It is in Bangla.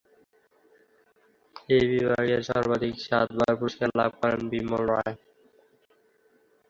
এই বিভাগে সর্বাধিক সাতবার পুরস্কার লাভ করেন বিমল রায়।